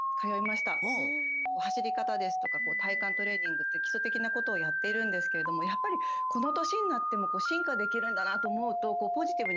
走り方ですとか体幹トレーニングっていう基礎的なことをやっているんですけれどもやっぱりこの年になっても進化できるんだなと思うとポジティブに取り組めています。